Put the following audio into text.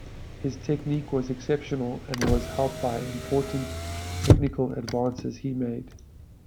His technique was exceptional, and was helped by important technical advances he made.